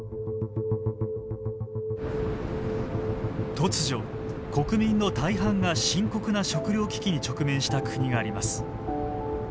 突如国民の大半が深刻な食料危機に直面した国があります。